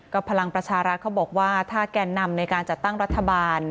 พลังประชารัฐเขาบอกว่าถ้าแก่นนำในการจัดตั้งรัฐบาล